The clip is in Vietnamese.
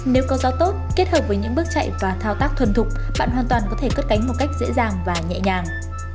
nếu có gió tốt kết hợp với những bước chạy và thao tác thuần thục bạn hoàn toàn có thể cất cánh một cách dễ dàng và nhẹ nhàng